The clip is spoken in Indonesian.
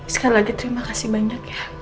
sekali lagi terima kasih banyak ya